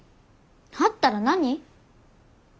あったら何？